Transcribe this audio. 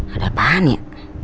ada apaan ya